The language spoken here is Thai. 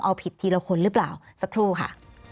เอาผิดทีละคนหรือเปล่าสักครู่ค่ะ